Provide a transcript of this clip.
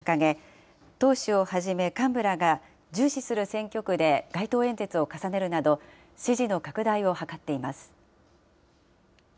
各党はそれぞれ獲得を目指す議席を掲げ、党首をはじめ、幹部らが重視する選挙区で街頭演説を重ねるなど、支持の拡大を図っています。